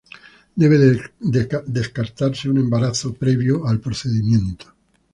Debe descartarse un embarazo previo al procedimiento.